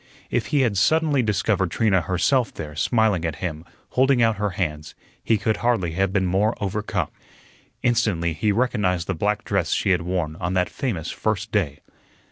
If he had suddenly discovered Trina herself there, smiling at him, holding out her hands, he could hardly have been more overcome. Instantly he recognized the black dress she had worn on that famous first day.